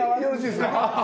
よろしいですか？